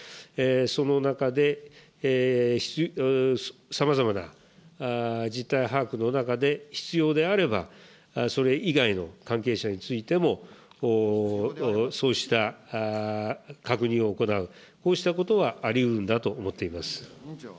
その中で、さまざまな実態把握の中で、必要であれば、それ以外の関係者についても、そうした確認を行う、こうしたことはありうるんだと思っています。